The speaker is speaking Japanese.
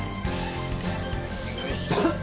よいしょっ。